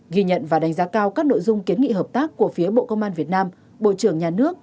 ghi nhận và đánh giá cao các nội dung kiến nghị hợp tác của phía bộ công an việt nam bộ trưởng nhà nước